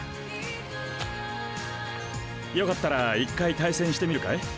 よかったら１回対戦してみるかい？